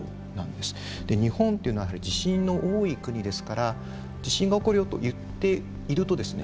で日本というのはやはり地震の多い国ですから「地震が起こるよ」と言っているとですね